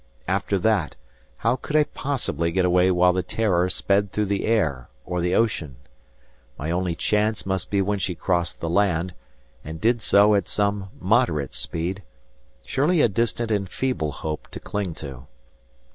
After that, how could I possibly get away while the "Terror" sped through the air or the ocean? My only chance must be when she crossed the land, and did so at some moderate speed. Surely a distant and feeble hope to cling to!